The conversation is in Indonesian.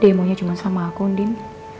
demonya cuma sama aku undin